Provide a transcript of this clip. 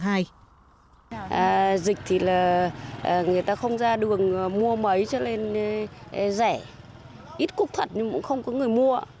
dịch thì là người ta không ra đường mua mấy cho nên rẻ ít cúc thật nhưng cũng không có người mua